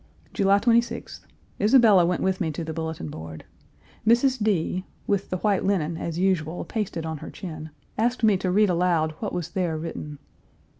July 26th. Isabella went with me to the bulletin board. Mrs. D. (with the white linen as usual pasted on her chin) asked me to read aloud what was there written.